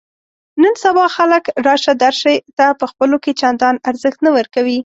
نن سبا خلک راشه درشې ته په خپلو کې چندان ارزښت نه ورکوي.